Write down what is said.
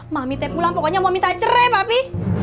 mami teh pulang pokoknya mau minta cerai papi